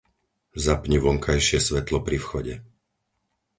Zapni vonkajšie svetlo pri vchode.